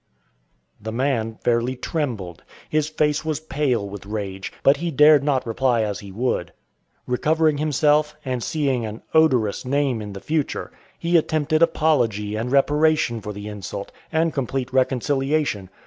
The man fairly trembled. His face was pale with rage, but he dared not reply as he would. Recovering himself, and seeing an "odorous" name in the future, he attempted apology and reparation for the insult, and complete reconciliation.